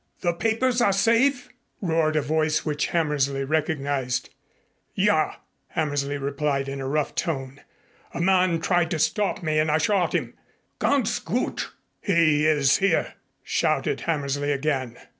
"The papers are safe?" roared a voice which Hammersley recognized. "Ja," Hammersley replied in a rough tone. "A man tried to stop me and I shot him." "Ganz gut!" "He is here," shouted Hammersley again.